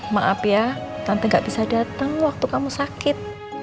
maaf ya tante gak bisa datang waktu kamu sakit